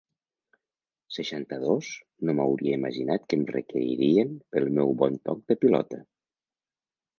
Seixanta-dos no m'hauria imaginat que em requeririen pel meu bon toc de pilota.